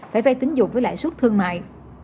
phải vay tính dụng với lãi suất thương mại